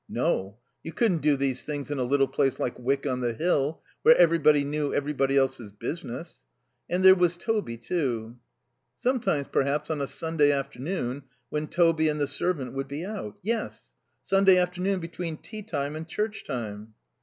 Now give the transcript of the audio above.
No. You couldn't do these things in a little place like Wyck on the Hill, where everybody knew everybody else's business. And there was Toby, too. Sometimes, perhaps, on a Sunday afternoon, when Toby and the servant would be out. Yes. Sunday afternoon between tea time and church time.